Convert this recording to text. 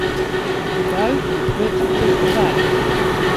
De bui komt hurd tichterby.